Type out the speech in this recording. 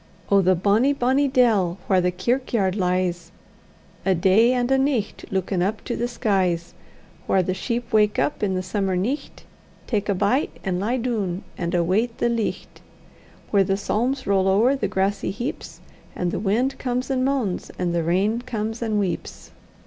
Oh! the bonny, bonny dell, whaur the kirkyard lies, A' day and a' nicht, luikin' up to the skies; Whaur the sheep wauk up i' the summer nicht, Tak a bite, and lie doon, and await the licht; Whaur the psalms roll ower the grassy heaps, And the wind comes and moans, and the rain comes and weeps!